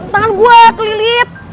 tangan gue kelilit